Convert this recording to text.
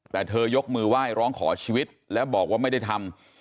แต่เธอยกมือไหว้ร้องขอชีวิตแล้วบอกว่าไม่ได้ทำ